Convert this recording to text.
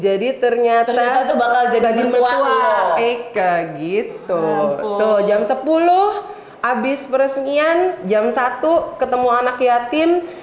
jadi ternyata itu bakal jadi mewah eka gitu tuh jam sepuluh habis peresmian jam satu ketemu anak yatim